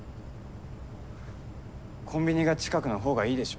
コンビニが近くのほうがいいでしょ？